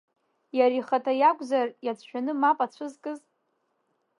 Иара ихаҭа иакәзар иацәшәаны мап ацәызкыз?